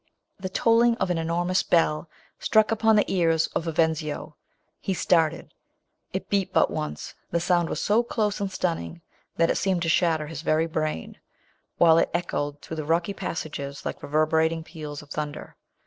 The tolling of an enormous bell struck upon the ears of Vivenzio! He started. It beat but once. The sound was so close and stunning, that it seemed to shatter his very brain, while it echoed through the rocky passages like reverberating peals of thunder.